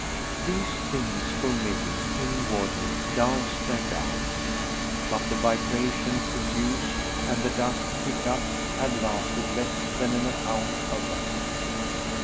These things, for Milly, inwardly danced their dance; but the vibration produced and the dust kicked up had lasted less than our account of them.